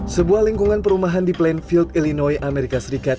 sebuah lingkungan perumahan di plainfield illinois amerika serikat